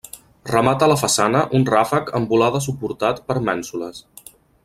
Remata la façana un ràfec amb volada suportat per mènsules.